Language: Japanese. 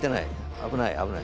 危ない危ない。